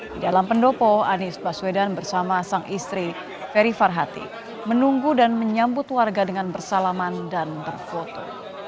di dalam pendopo anies baswedan bersama sang istri ferry farhati menunggu dan menyambut warga dengan bersalaman dan berfoto